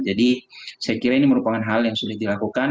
jadi saya kira ini merupakan hal yang sulit dilakukan